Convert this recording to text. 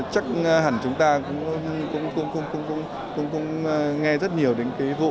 chắc hẳn chúng ta cũng nghe rất nhiều đến vụ